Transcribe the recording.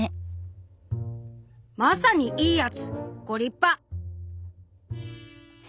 「まさに『いいやつ』ご立派！」。